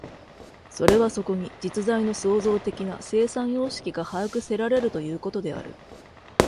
それはそこに実在の創造的な生産様式が把握せられるということである。